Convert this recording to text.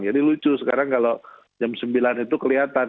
jadi lucu sekarang kalau jam sembilan itu kelihatan